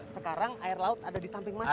sekarang air laut ada di samping masjid